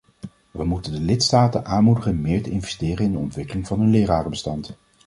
We moeten de lidstaten aanmoedigen meer te investeren in de ontwikkeling van hun lerarenbestand.